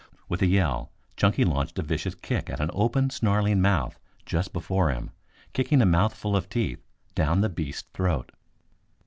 With a yell Chunky launched a vicious kick at an open, snarling mouth just before him, kicking a mouthful of teeth down the beast's throat.